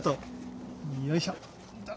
よいしょ。